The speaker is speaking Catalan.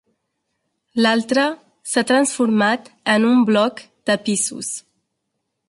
L'altra, s'ha transformat en un bloc de pisos.